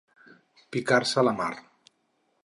Picar-se la mar.